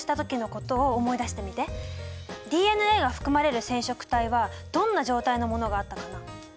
ＤＮＡが含まれる染色体はどんな状態のものがあったかな？